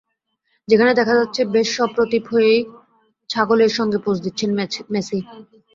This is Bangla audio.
যেখানে দেখা যাচ্ছে, বেশ সপ্রভিত হয়েই ছাগলের সঙ্গে পোজ দিচ্ছেন মেসি।